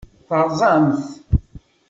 Terẓam-t.